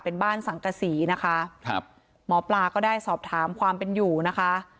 เป็นบ้านสังกษีนะคะครับหมอปลาก็ได้สอบถามความเป็นอยู่นะคะ